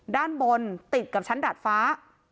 ด้านบนติดกับชั้นดาดฟ้า